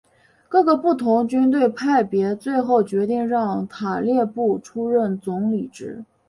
各个不同军队派别最后决定让塔列布出任总理职。